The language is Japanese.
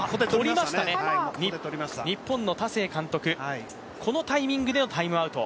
日本の田勢監督、このタイミングでのタイムアウト。